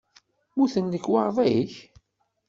Mmuten lekwaɣeḍ-ik?